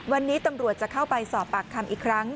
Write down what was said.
วันนี้ตำรวจจะเข้าไปสอบปากคำอีกครั้ง